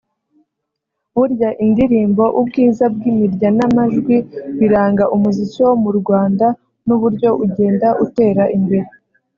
Burya indirimbo ubwiza bw’imirya n’amajwi biranga umuziki wo mu Rwanda n’uburyo ugenda utera imbere